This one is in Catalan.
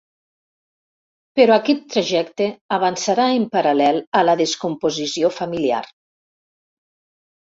Però aquest trajecte avançarà en paral·lel a la descomposició familiar.